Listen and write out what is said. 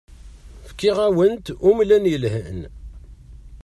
Fkiɣ-awent umlan yelhan.